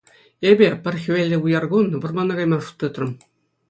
Эпӗ, пӗр хӗвеллӗ уяр кун, вӑрмана кайма шут тытрӑм.